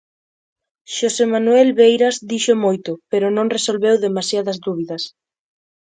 Xosé Manuel Beiras dixo moito pero non resolveu demasiadas dúbidas.